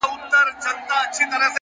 روښانه هدف روښانه لاره جوړوي,